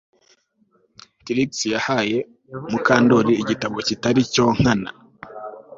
Trix yahaye Mukandoli igitabo kitari cyo nkana